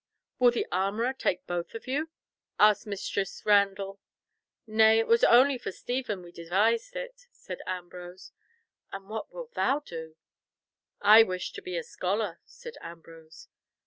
"Will the armourer take both of you?" asked Mistress Randall. "Nay, it was only for Stephen we devised it," said Ambrose. "And what wilt thou do?" "I wish to be a scholar," said Ambrose.